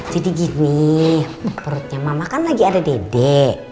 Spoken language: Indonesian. jadi gini perutnya mama kan lagi ada dedek